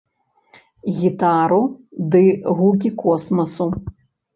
Гітару ды гукі космасу.